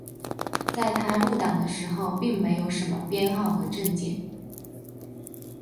在他入党的时候并没有什么编号和证件。